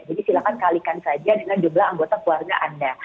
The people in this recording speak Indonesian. jadi silakan kalikan saja dengan jumlah anggota keluarga anda